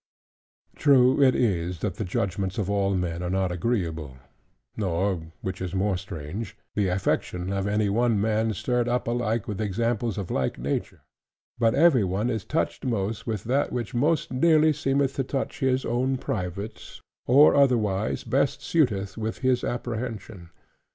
True it is, that the judgments of all men are not agreeable; nor (which is more strange) the affection of any one man stirred up alike with examples of like nature: but every one is touched most, with that which most nearly seemeth to touch his own private, or otherwise best suiteth with his apprehension.